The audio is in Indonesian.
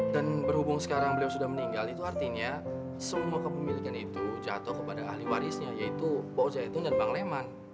dan berhubung sekarang beliau sudah meninggal itu artinya semua kepemilikan itu jatuh kepada ahli warisnya yaitu pak ustadz zaitun dan bang leman